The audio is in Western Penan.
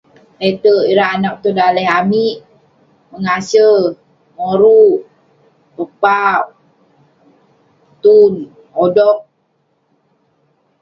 Leterk ireh anag tong daleh amik ; mengase, pepauk, tun, odog.